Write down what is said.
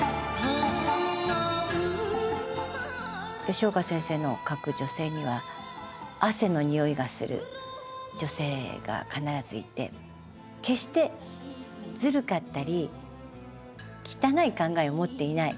吉岡先生の書く女性には汗のにおいがする女性が必ずいて決してずるかったり汚い考えを持っていない。